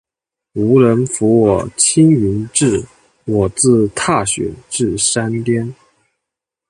无人扶我青云志，我自踏雪至山巅。